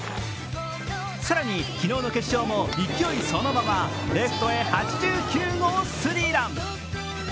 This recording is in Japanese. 更に、昨日の決勝も勢いそのままレフトへ８９号スリーラン。